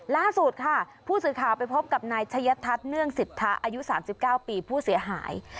ล่าสุดค่ะผู้สื่อข่าวไปพบกับนายชะยะทัศน์เนื่องสิทธาอายุ๓๙ปีผู้เสียหาย